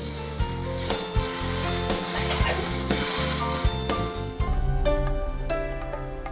ekonomi kerakyatan menjadi salah satu upaya kepuh mempertahankan lingkungan